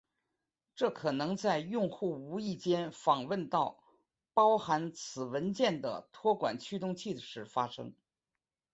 这可能在用户无意间访问到包含此文件的托管驱动器时发生。